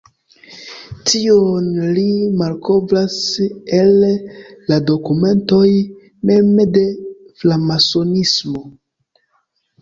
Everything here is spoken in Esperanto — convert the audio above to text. Tion li malkovras el la dokumentoj mem de framasonismo.